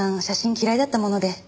写真嫌いだったもので。